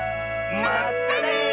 まったね！